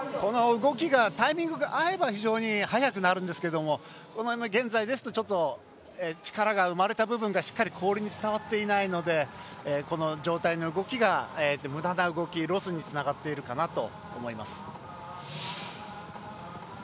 動きがタイミングが合えば非常に速くなるんですけど現在ですと、力が生まれた部分がしっかり氷に伝わっていないのでこの上体の動きが、むだな動きロスにつながっているかなと思います。